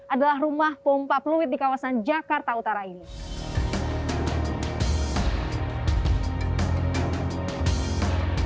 adalah rumah pompa fluid di kawasan jakarta utara ini